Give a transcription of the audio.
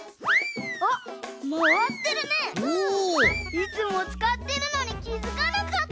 いつもつかってるのにきづかなかった。